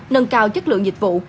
nâng cao chất lượng dịch vụ